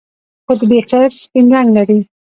قطبي خرس سپین رنګ لري